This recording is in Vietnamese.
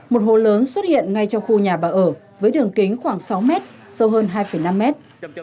một hồ lớn xuất hiện ngay trong khu nhà bà ở với đường kính khoảng sáu mét sâu hơn hai năm mét